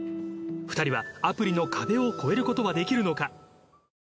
２人はアプリの壁を越えることはできるのか。